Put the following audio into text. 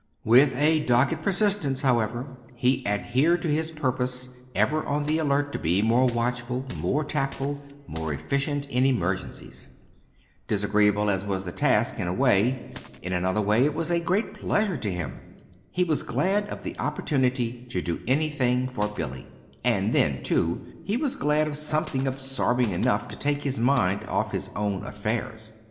With a dogged persistence, however, he adhered to his purpose, ever on the alert to be more watchful, more tactful, more efficient in emergencies. Disagreeable as was the task, in a way, in another way it was a great pleasure to him. He was glad of the opportunity to do anything for Billy; and then, too, he was glad of something absorbing enough to take his mind off his own affairs.